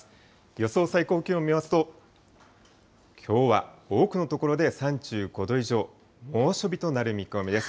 予想最高気温見ますと、きょうは多くの所で３５度以上、猛暑日となる見込みです。